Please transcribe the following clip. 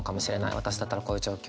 私だったらこういう状況。